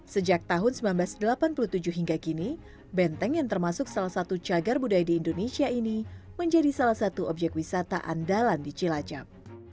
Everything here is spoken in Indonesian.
sejak tahun seribu sembilan ratus delapan puluh tujuh hingga kini benteng yang termasuk salah satu cagar budaya di indonesia ini menjadi salah satu objek wisata andalan di cilacap